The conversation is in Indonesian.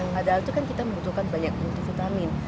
kadang tuh kan kita membutuhkan banyak multivitamin